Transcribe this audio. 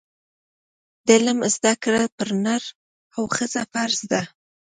د علم زده کړه پر نر او ښځه فرض ده.